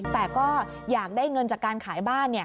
แต่ก็อยากได้เงินจากการขายบ้าน